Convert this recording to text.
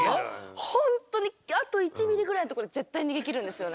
本当にあと１ｍｍぐらいのところで絶対逃げきるんですよね。